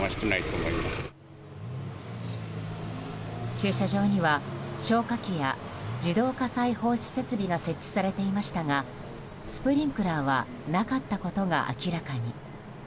駐車場には消火器や自動火災報知設備が設置されていましたがスプリンクラーはなかったことが明らかに。